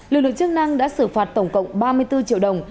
lực lượng chức năng đã xử phạt tổng cộng ba mươi bốn triệu đồng